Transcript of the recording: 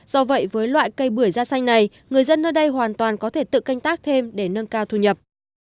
do vậy với loại cây bưởi da xanh này người dân nơi đây hoàn toàn có thể tự canh tác thêm để nâng cao thu nhập